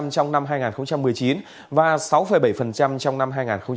trong năm hai nghìn một mươi chín và sáu bảy trong năm hai nghìn hai mươi